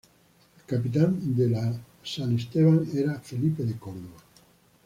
El capitán de la "San Esteban" era Felipe de Córdoba.